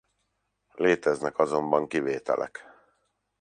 Léteznek azonban kivételek.